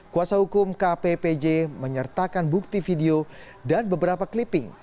kuasa hukum kppj menyertakan bukti video dan beberapa clipping